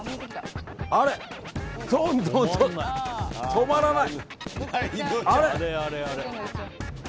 止まらない。